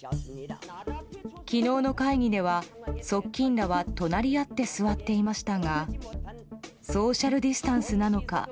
昨日の会議では側近らは隣り合って座っていましたがソーシャルディスタンスなのか